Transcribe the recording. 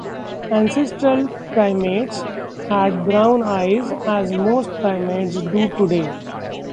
Ancestral primates had brown eyes, as most primates do today.